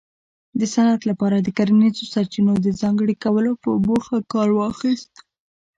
د صنعت لپاره د کرنیزو سرچینو د ځانګړي کولو په موخه کار واخیست